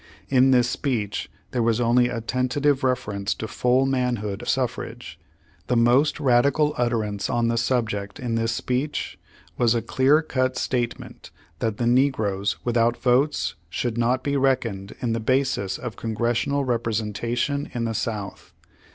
In this speech there was only a tentative reference to full manhood suf rage. The most radical utterance on the subject in this speech was a clear cut statement that the negroes without votes should not be reckoned in the basis of Congressional representation in the South.